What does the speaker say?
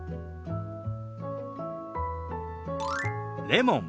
「レモン」。